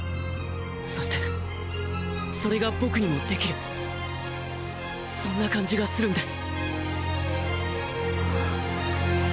そしてそれが僕にもできるそんな感じがするんです。！